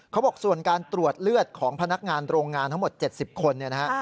เขาบอกส่วนการตรวจเลือดของพนักงานโรงงานทั้งหมด๗๐คนเนี่ยนะฮะ